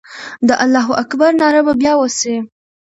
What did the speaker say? د الله اکبر ناره به بیا وسي.